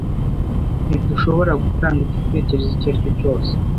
Ntidushobora gutanga igitekerezo icyo ari cyo cyose.